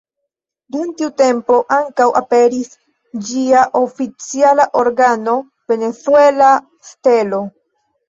Dum tiu tempo ankaŭ aperis ĝia oficiala organo "Venezuela Stelo".